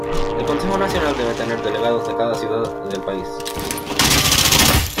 El consejo nacional debe tener delegados de cada ciudad del país.